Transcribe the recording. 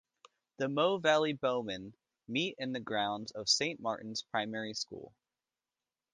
The Mole Valley Bowmen meet in the grounds of Saint Martin's primary school.